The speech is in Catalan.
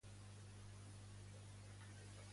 Quina és la sorpresa de Colau?